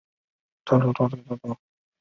印威内斯一般被看作是高地的首府。